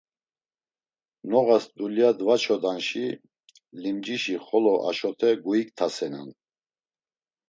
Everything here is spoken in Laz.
Noğas dulya dvaçodanşi, limcişi xolo aşote guiktasenan.